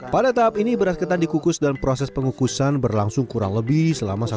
pada tahap ini beras ketan dikukus dan proses pengukusan berlangsung kurang lebih selama satu jam